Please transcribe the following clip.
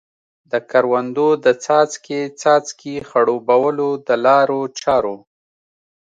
د کروندو د څاڅکې څاڅکي خړوبولو د لارو چارو.